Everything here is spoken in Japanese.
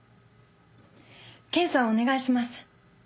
検査をお願いします。